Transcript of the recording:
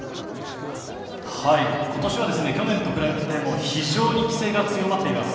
今年は去年と比べても非常に規制が強まっています。